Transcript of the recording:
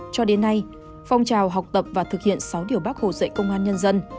cho đến nay phong trào học tập và thực hiện sáu điều bác hồ dạy công an nhân dân